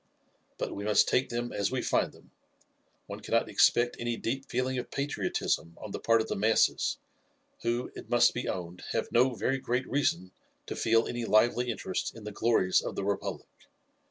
But we must take them as we find them; one cannot expect any deep feeling of patriotism on the part of the masses, who, it must be owned, have no very great reason to feel any lively interest in the glories of the republic.